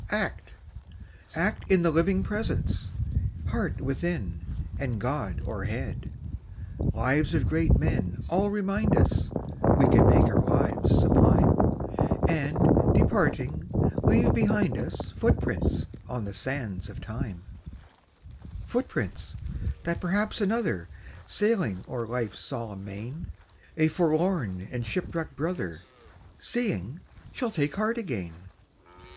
Act, act in the living present! Heart within, and God o'erhead! Lives of great men all remind us We can make our lives sublime, And departing, leave behind us Footprints on the sands of time; Footprints, that perhaps another, Sailing o'er life's solemn main, A forlorn and shipwrecked brother, Seeing, shall take heart again.